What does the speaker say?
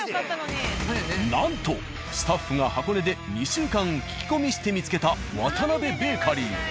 なんとスタッフが箱根で２週間聞き込みして見つけた「渡邊ベーカリー」。